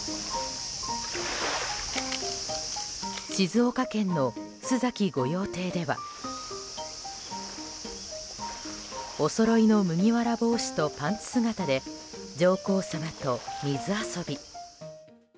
静岡県の須崎御用邸ではおそろいの麦わら帽子とパンツ姿で、上皇さまと水遊び。